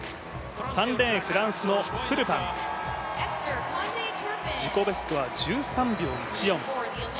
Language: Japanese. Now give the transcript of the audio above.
３レーン、フランスのトゥルパン、自己ベストは１３秒１４。